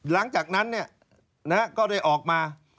หลังจากนั้นเนี่ยนะครับก็ได้ออกมา